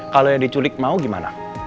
kalau yang diculik mau gimana